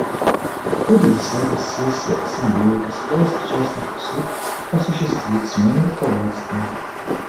В ходе десятой сессии Ассамблеи государств-участников Суд осуществит смену руководства.